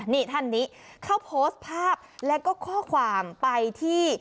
นี่ท่านนี้เขาโพสต์ภาพแล้วก็ข้อความไปที่